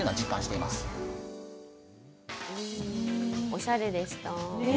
おしゃれでした。